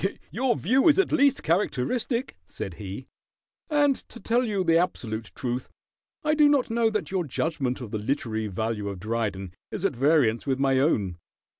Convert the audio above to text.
"Your view is at least characteristic," said he, "and to tell you the absolute truth, I do not know that your judgment of the literary value of Dryden is at variance with my own.